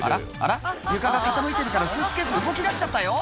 床が傾いてるからスーツケース動き出しちゃったよ